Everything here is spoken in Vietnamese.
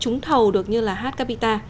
chúng thầu được như là hạt capita